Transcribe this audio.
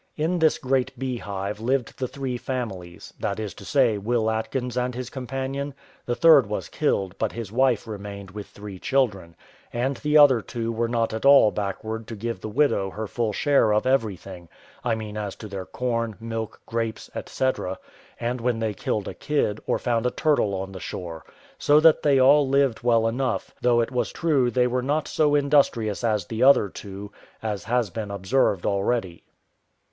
In this great bee hive lived the three families, that is to say, Will Atkins and his companion; the third was killed, but his wife remained with three children, and the other two were not at all backward to give the widow her full share of everything, I mean as to their corn, milk, grapes, &c., and when they killed a kid, or found a turtle on the shore; so that they all lived well enough; though it was true they were not so industrious as the other two, as has been observed already.